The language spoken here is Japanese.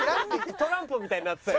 トランプみたいになってたよ。